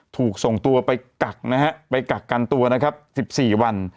ถูกส่งตัวไปกลักกันตัว๑๔วัน